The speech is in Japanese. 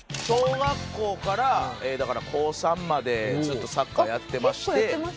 小学校からだから高３までずっとサッカーやってまして。